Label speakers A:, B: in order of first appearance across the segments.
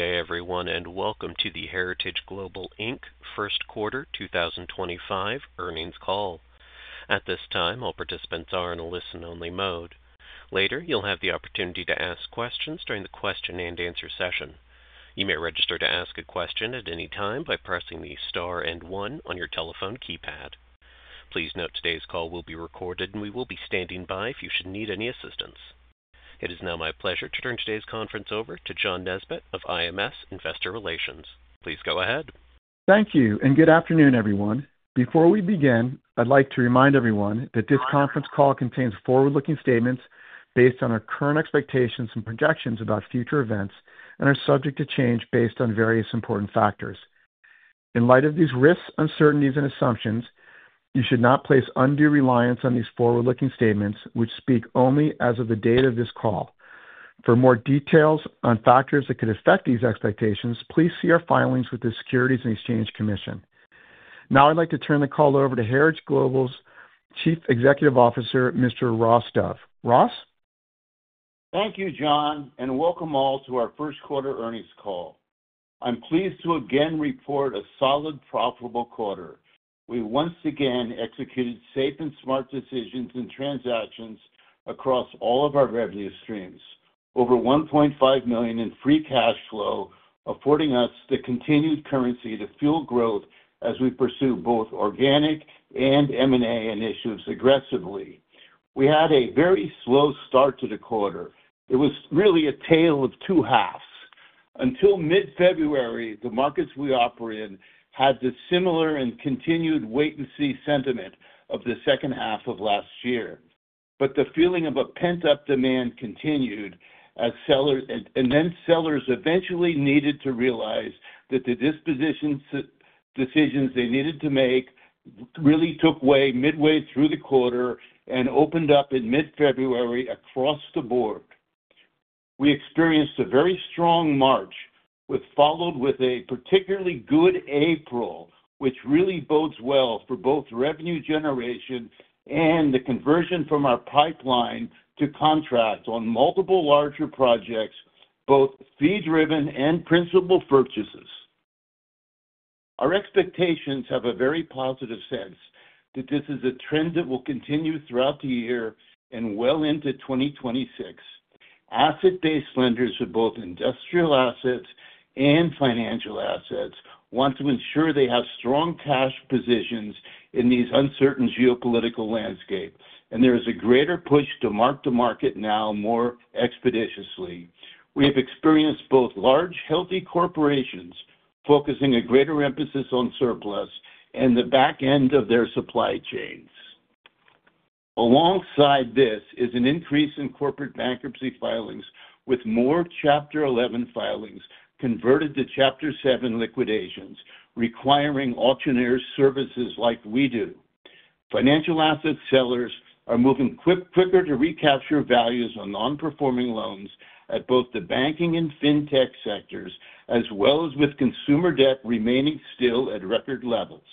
A: Good day, everyone, and Welcome to the Heritage Global First Quarter 2025 Earnings Call. At this time, all participants are in a listen-only mode. Later, you'll have the opportunity to ask questions during the question-and-answer session. You may register to ask a question at any time by pressing the star and one on your telephone keypad. Please note today's call will be recorded, and we will be standing by if you should need any assistance. It is now my pleasure to turn today's conference over to John Nesbett of IMS Investor Relations. Please go ahead.
B: Thank you, and good afternoon, everyone. Before we begin, I'd like to remind everyone that this conference call contains forward-looking statements based on our current expectations and projections about future events and are subject to change based on various important factors. In light of these risks, uncertainties, and assumptions, you should not place undue reliance on these forward-looking statements, which speak only as of the date of this call. For more details on factors that could affect these expectations, please see our filings with the Securities and Exchange Commission. Now, I'd like to turn the call over to Heritage Global's Chief Executive Officer, Mr. Ross Dove. Ross?
C: Thank you, John, and Welcome all to our First Quarter Earnings Call. I'm pleased to again report a solid, profitable quarter. We once again executed safe and smart decisions and transactions across all of our revenue streams, over $1.5 million in free cash flow, affording us the continued currency to fuel growth as we pursue both organic and M&A initiatives aggressively. We had a very slow start to the quarter. It was really a tale of two halves. Until mid-February, the markets we operate in had the similar and continued wait-and-see sentiment of the second half of last year. The feeling of a pent-up demand continued, and then sellers eventually needed to realize that the disposition decisions they needed to make really took way midway through the quarter and opened up in mid-February across the board. We experienced a very strong March, followed by a particularly good April, which really bodes well for both revenue generation and the conversion from our pipeline to contracts on multiple larger projects, both fee-driven and principal purchases. Our expectations have a very positive sense that this is a trend that will continue throughout the year and well into 2026. Asset-based lenders of both industrial assets and financial assets want to ensure they have strong cash positions in these uncertain geopolitical landscapes, and there is a greater push to mark the market now more expeditiously. We have experienced both large, healthy corporations focusing a greater emphasis on surplus and the back end of their supply chains. Alongside this is an increase in corporate bankruptcy filings, with more Chapter 11 filings converted to Chapter 7 liquidations, requiring auction services like we do. Financial asset sellers are moving quicker to recapture values on non-performing loans at both the banking and fintech sectors, as well as with consumer debt remaining still at record levels.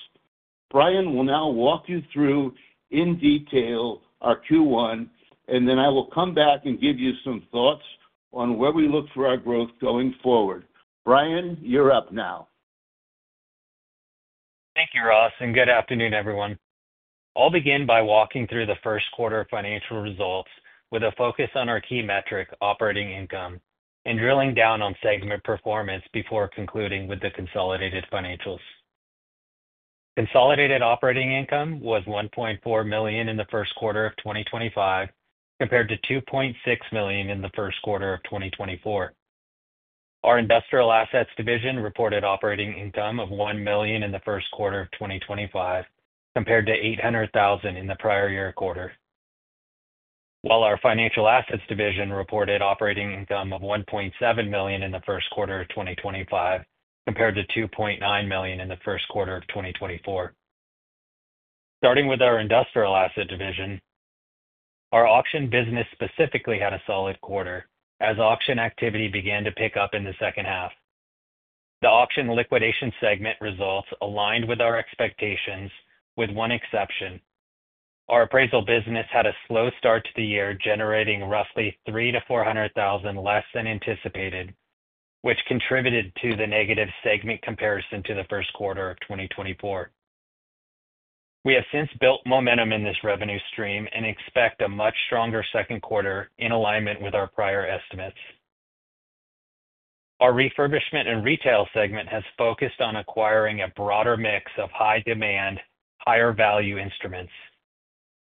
C: Brian will now walk you through in detail our Q1, and then I will come back and give you some thoughts on where we look for our growth going forward. Brian, you're up now.
D: Thank you, Ross, and good afternoon, everyone. I'll begin by walking through the first quarter financial results with a focus on our key metric, operating income, and drilling down on segment performance before concluding with the consolidated financials. Consolidated operating income was $1.4 million in the first quarter of 2025, compared to $2.6 million in the first quarter of 2024. Our industrial assets division reported operating income of $1 million in the first quarter of 2025, compared to $800,000 in the prior year quarter, while our financial assets division reported operating income of $1.7 million in the first quarter of 2025, compared to $2.9 million in the first quarter of 2024. Starting with our industrial asset division, our auction business specifically had a solid quarter as auction activity began to pick up in the second half. The auction liquidation segment results aligned with our expectations, with one exception. Our appraisal business had a slow start to the year, generating roughly $300,000 to $400,000 less than anticipated, which contributed to the negative segment comparison to the first quarter of 2024. We have since built momentum in this revenue stream and expect a much stronger second quarter in alignment with our prior estimates. Our refurbishment and retail segment has focused on acquiring a broader mix of high-demand, higher-value instruments.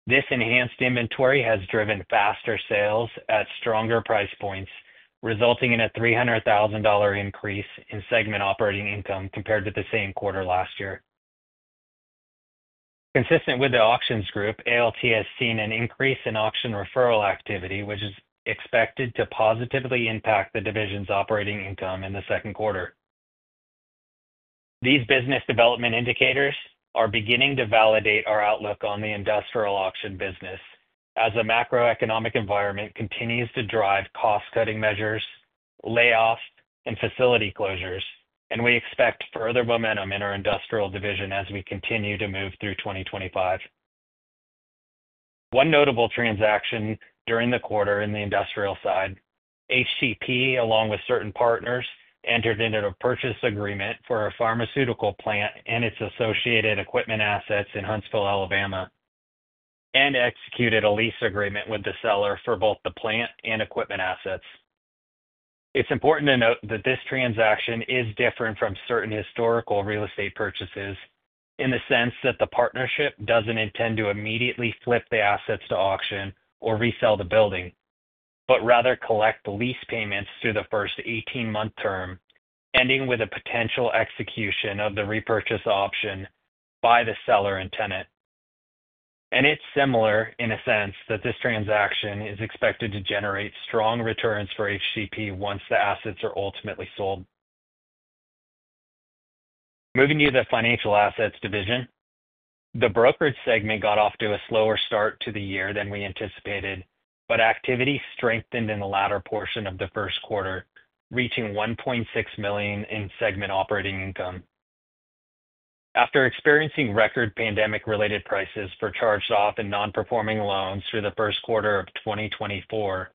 D: This enhanced inventory has driven faster sales at stronger price points, resulting in a $300,000 increase in segment operating income compared to the same quarter last year. Consistent with the auctions group, ALT has seen an increase in auction referral activity, which is expected to positively impact the division's operating income in the second quarter. These business development indicators are beginning to validate our outlook on the industrial auction business as the macroeconomic environment continues to drive cost-cutting measures, layoffs, and facility closures, and we expect further momentum in our industrial division as we continue to move through 2025. One notable transaction during the quarter in the industrial side, HCP, along with certain partners, entered into a purchase agreement for a pharmaceutical plant and its associated equipment assets in Huntsville, Alabama, and executed a lease agreement with the seller for both the plant and equipment assets. It's important to note that this transaction is different from certain historical real estate purchases in the sense that the partnership doesn't intend to immediately flip the assets to auction or resell the building, but rather collect lease payments through the first 18-month term, ending with a potential execution of the repurchase option by the seller and tenant. It is similar, in a sense, that this transaction is expected to generate strong returns for HCP once the assets are ultimately sold. Moving to the financial assets division, the brokerage segment got off to a slower start to the year than we anticipated, but activity strengthened in the latter portion of the first quarter, reaching $1.6 million in segment operating income. After experiencing record pandemic-related prices for charged-off and non-performing loans through the first quarter of 2024,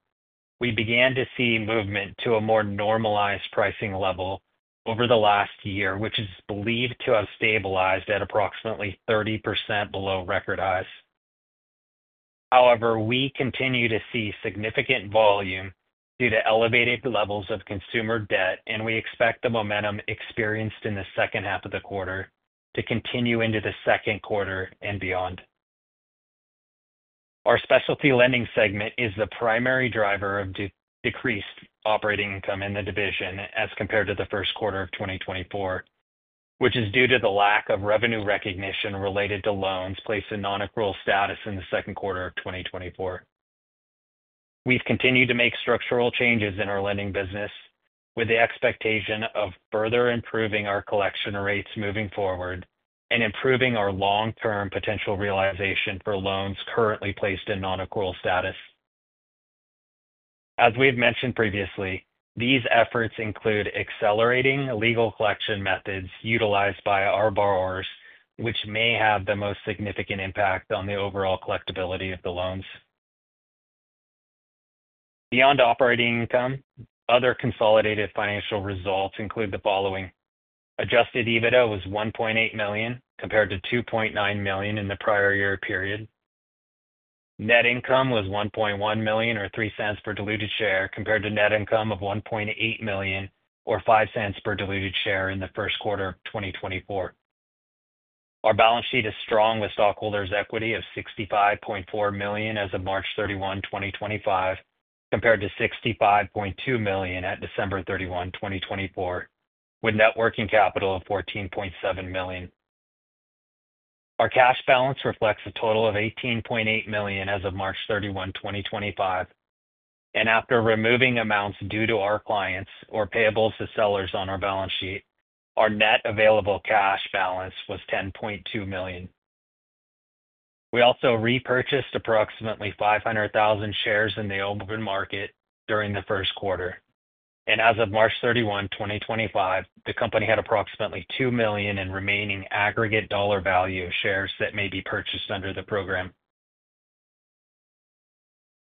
D: we began to see movement to a more normalized pricing level over the last year, which is believed to have stabilized at approximately 30% below record highs. However, we continue to see significant volume due to elevated levels of consumer debt, and we expect the momentum experienced in the second half of the quarter to continue into the second quarter and beyond. Our specialty lending segment is the primary driver of decreased operating income in the division as compared to the first quarter of 2024, which is due to the lack of revenue recognition related to loans placed in non-accrual status in the second quarter of 2024. We've continued to make structural changes in our lending business with the expectation of further improving our collection rates moving forward and improving our long-term potential realization for loans currently placed in non-accrual status. As we've mentioned previously, these efforts include accelerating legal collection methods utilized by our borrowers, which may have the most significant impact on the overall collectibility of the loans. Beyond operating income, other consolidated financial results include the following: adjusted EBITDA was $1.8 million compared to $2.9 million in the prior year period. Net income was $1.1 million or $0.03 per diluted share compared to net income of $1.8 million or $0.05 per diluted share in the first quarter of 2024. Our balance sheet is strong with stockholders' equity of $65.4 million as of March 31, 2025, compared to $65.2 million at December 31, 2024, with net working capital of $14.7 million. Our cash balance reflects a total of $18.8 million as of March 31, 2025, and after removing amounts due to our clients or payables to sellers on our balance sheet, our net available cash balance was $10.2 million. We also repurchased approximately 500,000 shares in the open market during the first quarter, and as of March 31, 2025, the company had approximately $2 million in remaining aggregate dollar value of shares that may be purchased under the program.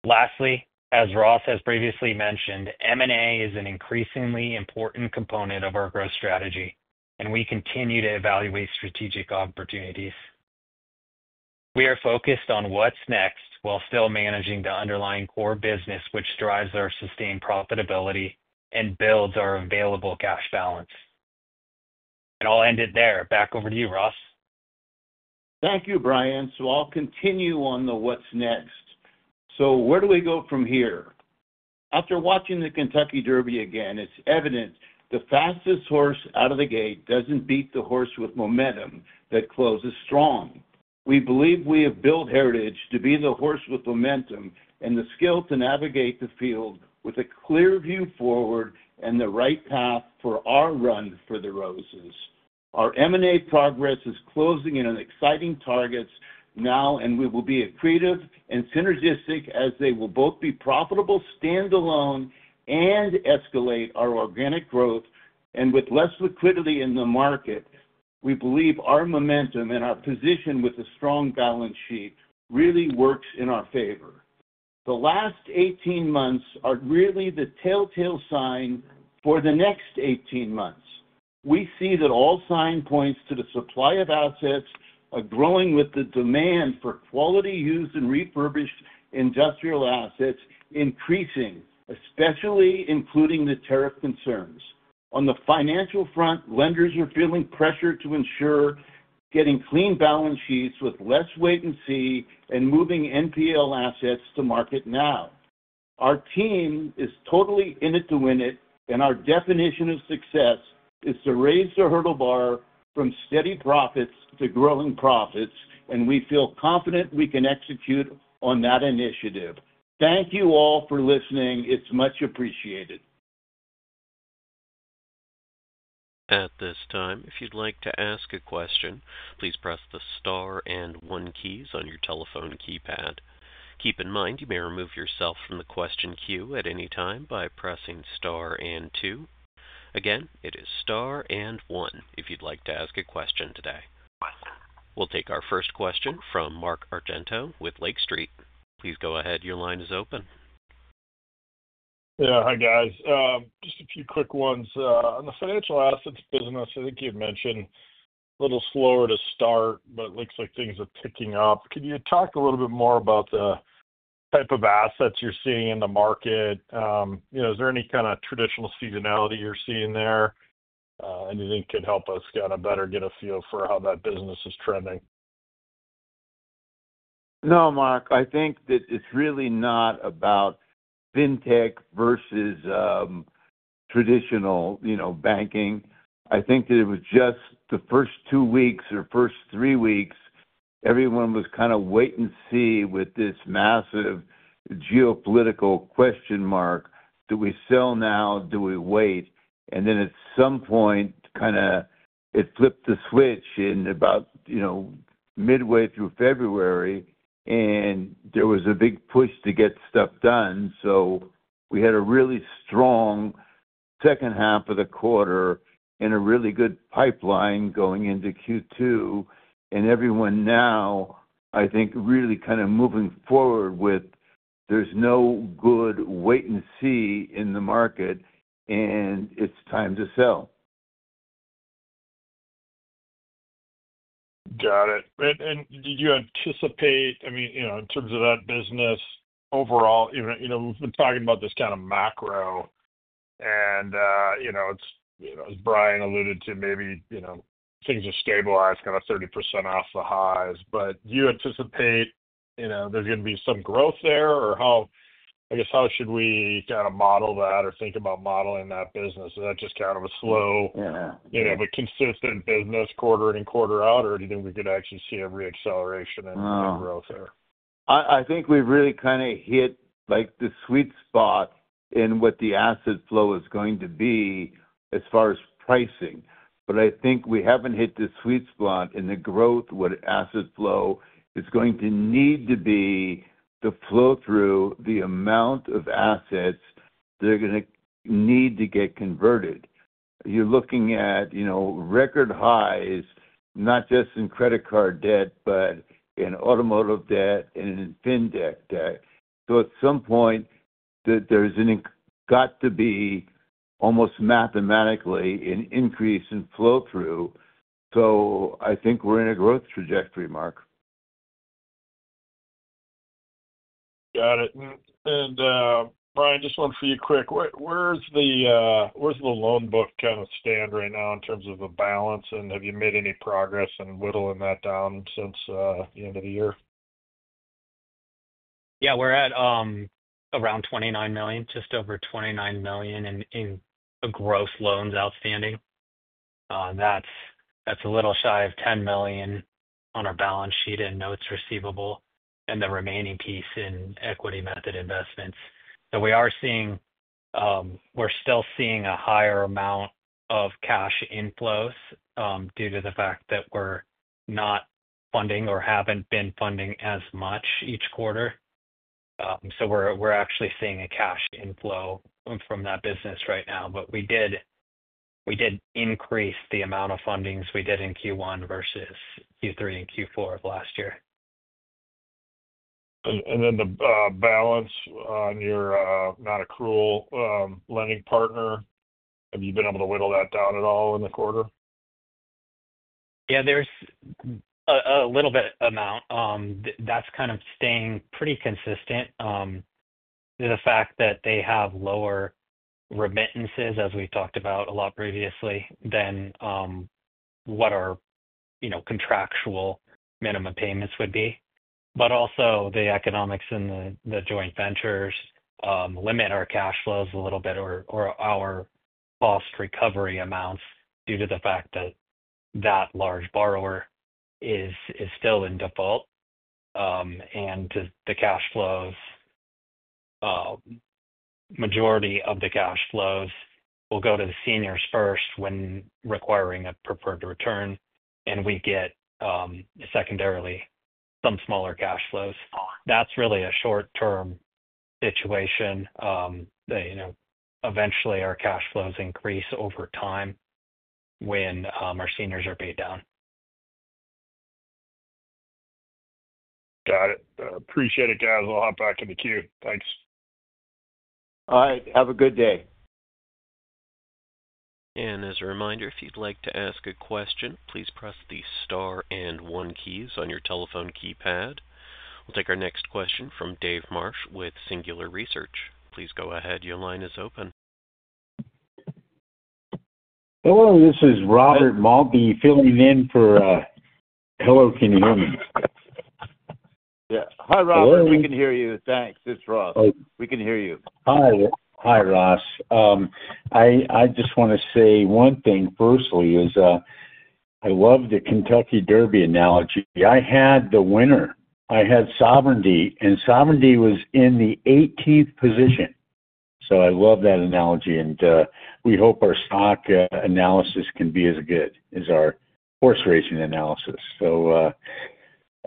D: Lastly, as Ross has previously mentioned, M&A is an increasingly important component of our growth strategy, and we continue to evaluate strategic opportunities. We are focused on what's next while still managing the underlying core business, which drives our sustained profitability and builds our available cash balance. I'll end it there. Back over to you, Ross.
C: Thank you, Brian. I'll continue on the what's next. Where do we go from here? After watching the Kentucky Derby again, it's evident the fastest horse out of the gate doesn't beat the horse with momentum that closes strong. We believe we have built Heritage to be the horse with momentum and the skill to navigate the field with a clear view forward and the right path for our run for the roses. Our M&A progress is closing in on exciting targets now, and we will be as creative and synergistic as they will both be profitable, stand alone, and escalate our organic growth. With less liquidity in the market, we believe our momentum and our position with a strong balance sheet really works in our favor. The last 18 months are really the telltale sign for the next 18 months. We see that all sign points to the supply of assets are growing with the demand for quality used and refurbished industrial assets increasing, especially including the tariff concerns. On the financial front, lenders are feeling pressure to ensure getting clean balance sheets with less wait-and-see and moving NPL assets to market now. Our team is totally in it to win it, and our definition of success is to raise the hurdle bar from steady profits to growing profits, and we feel confident we can execute on that initiative. Thank you all for listening. It's much appreciated.
A: At this time, if you'd like to ask a question, please press the star and one keys on your telephone keypad. Keep in mind you may remove yourself from the question queue at any time by pressing star and two. Again, it is star and one if you'd like to ask a question today. We'll take our first question from Mark Argento with Lake Street. Please go ahead. Your line is open.
E: Yeah, hi guys. Just a few quick ones. On the financial assets business, I think you had mentioned a little slower to start, but it looks like things are picking up. Could you talk a little bit more about the type of assets you're seeing in the market? Is there any kind of traditional seasonality you're seeing there? Anything could help us kind of better get a feel for how that business is trending.
C: No, Mark. I think that it's really not about fintech versus traditional banking. I think that it was just the first two weeks or first three weeks, everyone was kind of wait-and-see with this massive geopolitical question mark. Do we sell now? Do we wait? At some point, kind of it flipped the switch in about midway through February, and there was a big push to get stuff done. We had a really strong second half of the quarter and a really good pipeline going into Q2. Everyone now, I think, really kind of moving forward with there's no good wait-and-see in the market, and it's time to sell.
E: Got it. Did you anticipate, I mean, in terms of that business overall, we've been talking about this kind of macro, and as Brian alluded to, maybe things will stabilize kind of 30% off the highs. Do you anticipate there's going to be some growth there? I guess, how should we kind of model that or think about modeling that business? Is that just kind of a slow, but consistent business quarter-in and quarter out, or do you think we could actually see a re-acceleration in growth there?
C: I think we've really kind of hit the sweet spot in what the asset flow is going to be as far as pricing. I think we haven't hit the sweet spot in the growth where asset flow is going to need to be the flow through the amount of assets they're going to need to get converted. You're looking at record highs, not just in credit card debt, but in automotive debt and in fintech debt. At some point, there's got to be almost mathematically an increase in flow through. I think we're in a growth trajectory, Mark.
E: Got it. Brian, just one for you quick. Where's the loan book kind of stand right now in terms of the balance, and have you made any progress in whittling that down since the end of the year?
D: Yeah, we're at around $29 million, just over $29 million in gross loans outstanding. That's a little shy of $10 million on our balance sheet in notes receivable and the remaining piece in equity method investments. We are seeing we're still seeing a higher amount of cash inflows due to the fact that we're not funding or haven't been funding as much each quarter. We're actually seeing a cash inflow from that business right now. We did increase the amount of fundings we did in Q1 versus Q3 and Q4 of last year.
E: The balance on your non-accrual lending partner, have you been able to whittle that down at all in the quarter?
D: Yeah, there's a little bit amount. That's kind of staying pretty consistent to the fact that they have lower remittances, as we talked about a lot previously, than what our contractual minimum payments would be. Also, the economics and the joint ventures limit our cash flows a little bit or our cost recovery amounts due to the fact that that large borrower is still in default. The majority of the cash flows will go to the seniors first when requiring a preferred return, and we get secondarily some smaller cash flows. That's really a short-term situation. Eventually, our cash flows increase over time when our seniors are paid down.
E: Got it. Appreciate it, guys. We'll hop back in the queue. Thanks.
C: All right. Have a good day.
A: As a reminder, if you'd like to ask a question, please press the star and one keys on your telephone keypad. We'll take our next question from Dave Marsh with Singular Research. Please go ahead. Your line is open.
F: Hello, this is Robert Maltbie filling in for. Hello Can You Hear Me.
C: Yeah. Hi, Robert.
F: Hello.
C: We can hear you. Thanks. It's Ross. We can hear you.
F: Hi. Hi, Ross. I just want to say one thing firstly is I love the Kentucky Derby analogy. I had the winner. I had Sovereignty, and Sovereignty was in the 18th position. I love that analogy, and we hope our stock analysis can be as good as our horse racing analysis. I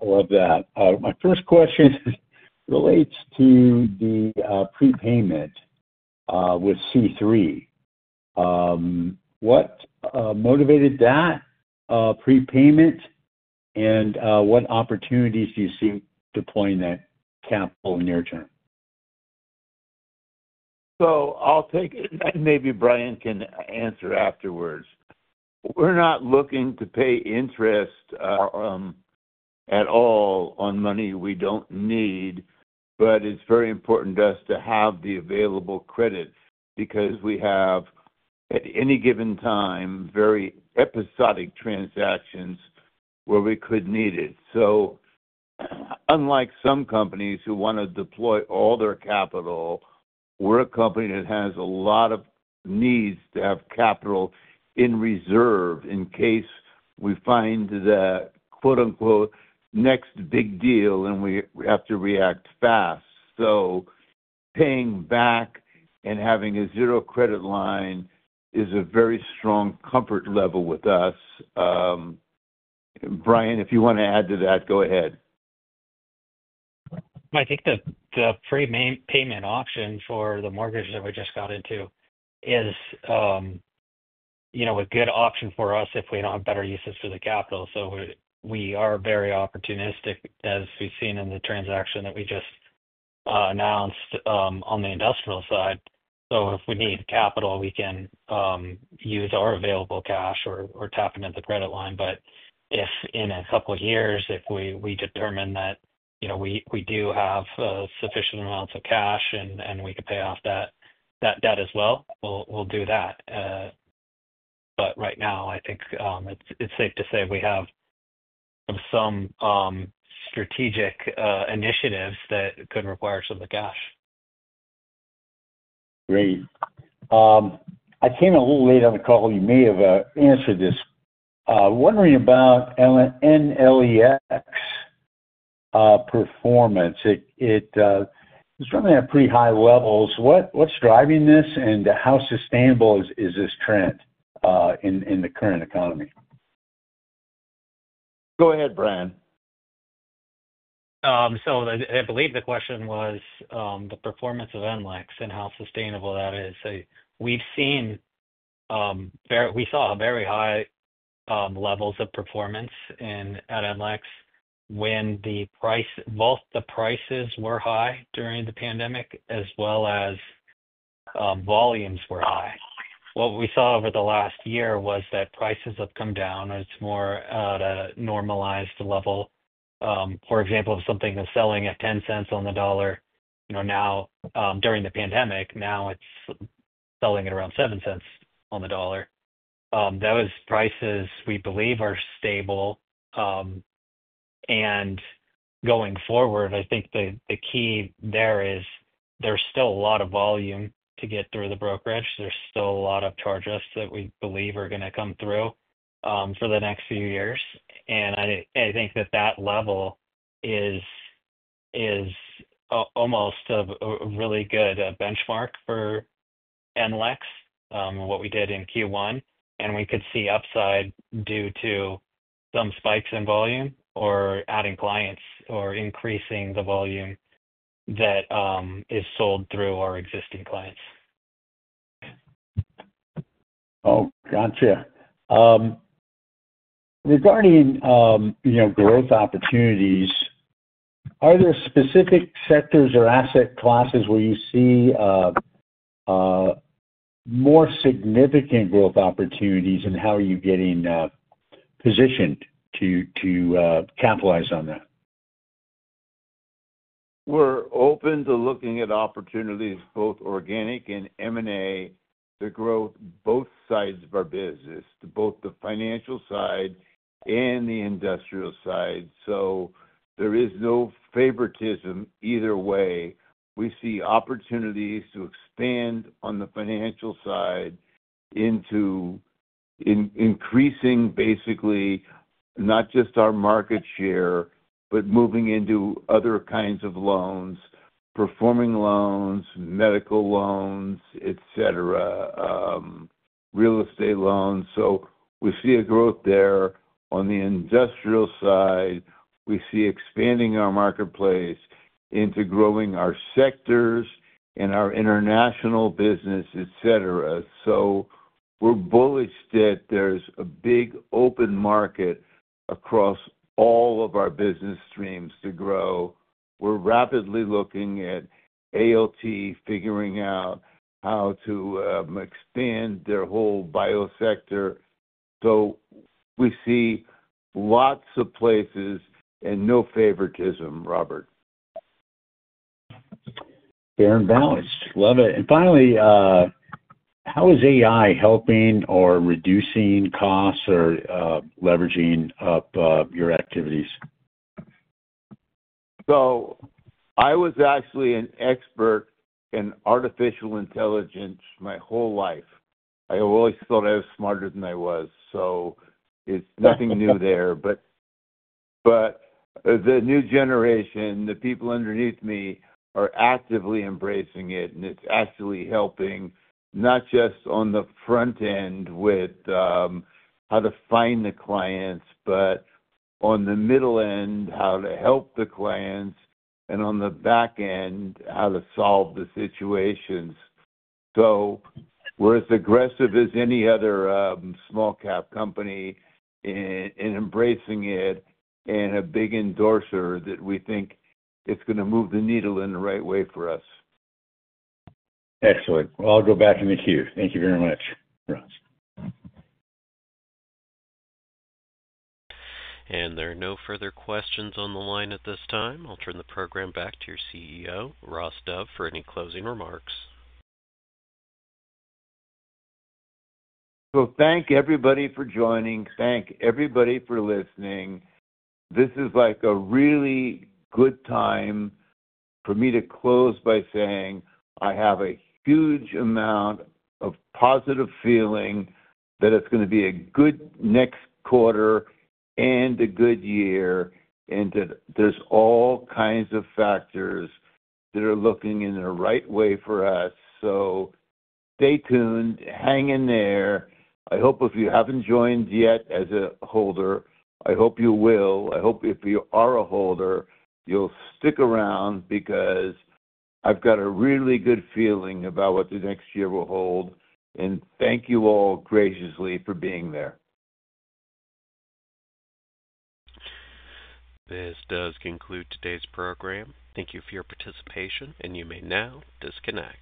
F: love that. My first question relates to the prepayment with C3. What motivated that prepayment, and what opportunities do you see deploying that capital in the near term?
C: I'll take it. Maybe Brian can answer afterwards. We're not looking to pay interest at all on money we don't need, but it's very important to us to have the available credit because we have, at any given time, very episodic transactions where we could need it. Unlike some companies who want to deploy all their capital, we're a company that has a lot of needs to have capital in reserve in case we find the "next big deal" and we have to react fast. Paying back and having a zero credit line is a very strong comfort level with us. Brian, if you want to add to that, go ahead.
D: I think the prepayment option for the mortgage that we just got into is a good option for us if we do not have better uses for the capital. We are very opportunistic, as we have seen in the transaction that we just announced on the industrial side. If we need capital, we can use our available cash or tap into the credit line. If in a couple of years, we determine that we do have sufficient amounts of cash and we can pay off that debt as well, we will do that. Right now, I think it is safe to say we have some strategic initiatives that could require some of the cash.
F: Great. I came a little late on the call. You may have answered this. Wondering about NLEX performance. It's running at pretty high levels. What's driving this, and how sustainable is this trend in the current economy?
C: Go ahead, Brian.
D: I believe the question was the performance of NLEX and how sustainable that is. We saw very high levels of performance at NLEX when both the prices were high during the pandemic as well as volumes were high. What we saw over the last year was that prices have come down. It's more at a normalized level. For example, if something was selling at $0.10 on the dollar during the pandemic, now it's selling at around $0.07 on the dollar. Those prices, we believe, are stable. Going forward, I think the key there is there's still a lot of volume to get through the brokerage. There's still a lot of charges that we believe are going to come through for the next few years. I think that that level is almost a really good benchmark for NLEX, what we did in Q1. We could see upside due to some spikes in volume or adding clients or increasing the volume that is sold through our existing clients.
F: Oh, gotcha. Regarding growth opportunities, are there specific sectors or asset classes where you see more significant growth opportunities, and how are you getting positioned to capitalize on that?
C: We're open to looking at opportunities, both organic and M&A, to grow both sides of our business, both the financial side and the industrial side. There is no favoritism either way. We see opportunities to expand on the financial side into increasing, basically, not just our market share, but moving into other kinds of loans, performing loans, medical loans, etc., real estate loans. We see a growth there. On the industrial side, we see expanding our marketplace into growing our sectors and our international business, etc. We're bullish that there's a big open market across all of our business streams to grow. We're rapidly looking at ALT figuring out how to expand their whole bio sector. We see lots of places and no favoritism, Robert.
F: Fair and balanced. Love it. Finally, how is AI helping or reducing costs or leveraging up your activities?
C: I was actually an expert in artificial intelligence my whole life. I always thought I was smarter than I was. It's nothing new there. The new generation, the people underneath me are actively embracing it, and it's actually helping not just on the front end with how to find the clients, but on the middle end, how to help the clients, and on the back end, how to solve the situations. We're as aggressive as any other small-cap company in embracing it and a big endorser that we think it's going to move the needle in the right way for us.
F: Excellent. I'll go back in the queue. Thank you very much, Ross.
A: There are no further questions on the line at this time. I'll turn the program back to your CEO, Ross Dove, for any closing remarks.
C: Thank everybody for joining. Thank everybody for listening. This is a really good time for me to close by saying I have a huge amount of positive feeling that it's going to be a good next quarter and a good year, and that there's all kinds of factors that are looking in the right way for us. Stay tuned. Hang in there. I hope if you haven't joined yet as a holder, I hope you will. I hope if you are a holder, you'll stick around because I've got a really good feeling about what the next year will hold. Thank you all graciously for being there.
A: This does conclude today's program. Thank you for your participation, and you may now disconnect.